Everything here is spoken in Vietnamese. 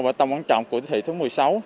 và tầm quan trọng của thị thứ một mươi sáu